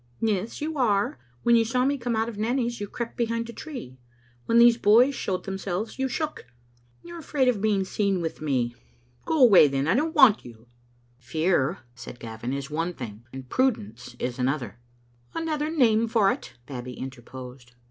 "Yes, you are. When you saw me come out of Nanny's you crept behind a tree; when these boys showed themselves you shook. You are afraid of being seen with me. Go away, then; I don't want you." ■ Digitized by VjOOQ IC 164 tEbe atlttte Ainistcu "Fear," said Gavin, "is one thing, and prudence is another." "Another name for it," Babbie interposed.